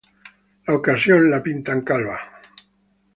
A la ocasion la pintan calva.